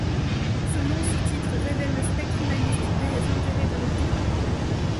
Ce long sous-titre révèle le spectre humaniste des intérêts de l'auteur.